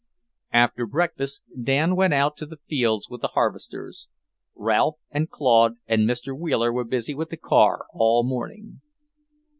After breakfast Dan went out to the fields with the harvesters. Ralph and Claude and Mr. Wheeler were busy with the car all morning.